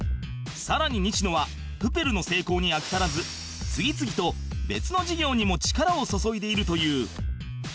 さらに西野は『プペル』の成功に飽き足らず次々と別の事業にも力を注いでいるという